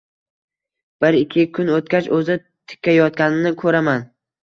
Bir - ikki kun oʻtgach, oʻzi tikayotganini koʻraman